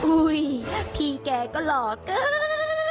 อุ้ยพี่แกก็หล่อเกิน